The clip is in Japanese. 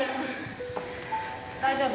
・・大丈夫？